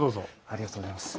ありがとうございます。